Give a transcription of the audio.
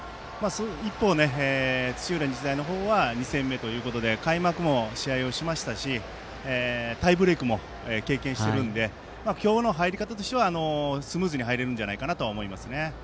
一方、土浦日大の方は２戦目ということで開幕も試合をしましたしタイブレークも経験しているので今日の入り方としてはスムーズに入れると思います。